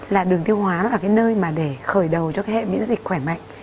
là đường tiêu hóa là cái nơi mà để khởi đầu cho cái hệ miễn dịch khỏe mạnh